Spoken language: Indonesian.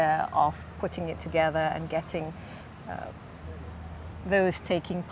dan membuat orang orang yang memasuki ini